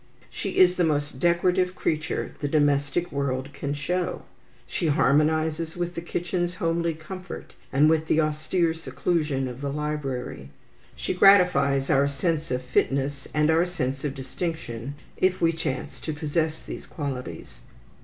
She is the most decorative creature the domestic world can show. She harmonizes with the kitchen's homely comfort, and with the austere seclusion of the library. She gratifies our sense of fitness and our sense of distinction, if we chance to possess these qualities.